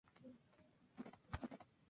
El sencillo contiene la versión en español.